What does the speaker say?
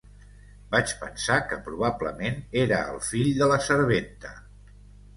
Vaig pensar que probablement era el fill de la serventa.